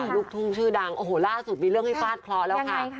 ลูกทู่่ชื่อดังโอ้โฮล่าสุดมีเรื่องให้ปลาดคลอแล้วค่ะ